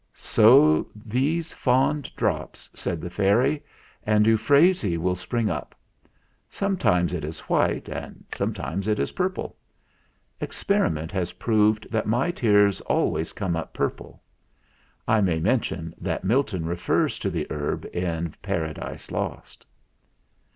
"Sow these fond drops," said the fairy, "and euphrasy will spring up. Sometimes it is white and sometimes it is purple. Experi ment has proved that my tears always come up purple. I may mention that Milton refers to the herb in Taradise Lost.'